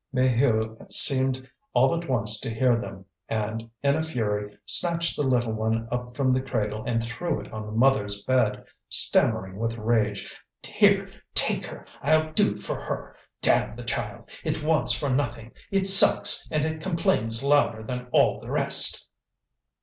Maheu seemed all at once to hear them, and, in a fury, snatched the little one up from the cradle and threw it on the mother's bed, stammering with rage: "Here, take her; I'll do for her! Damn the child! It wants for nothing: it sucks, and it complains louder than all the rest!"